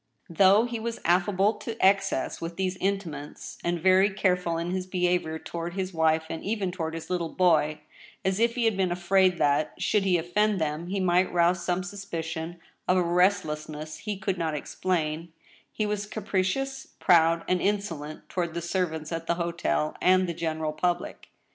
Though he was affable to excess with these intimates, and very careful in his behavior toward his wife and even toward his little boy, as if he had been afraid that, should he offend them, he might rouse some suspicion of a restlessness he could not explain, he was capricious, proud, and insolent toward the servants at the hotel and the general public.